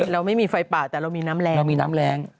เราไม่มีไฟป่าแต่เรามีน้ำแรง